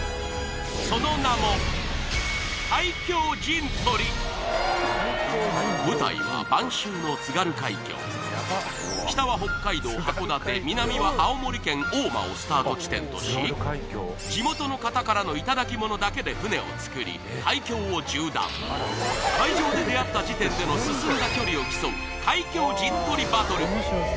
その名も舞台は晩秋の津軽海峡北は北海道函館南は青森県大間をスタート地点とし地元の方からの頂きものだけで舟を作り海峡を縦断海上で出会った時点での進んだ距離を競う海峡陣取りバトル